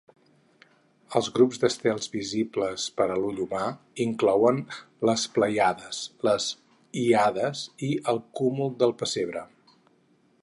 Els grups d'estels visibles per a l'ull humà inclouen les Plèiades, les Híades i el Cúmul del Pessebre.